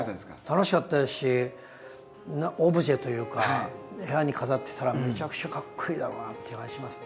楽しかったですしオブジェというか部屋に飾ってたらめちゃくちゃかっこイイだろうなっていう感じしますね。